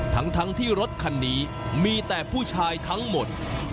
ทั้งที่รถคันนี้มีแต่ผู้ชายทั้งหมด